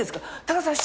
「高畑さん